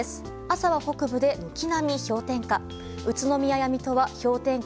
朝は北部で軒並み氷点下。